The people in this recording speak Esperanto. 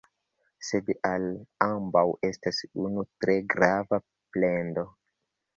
Sed al ambaŭ estas unu tre grava plendo.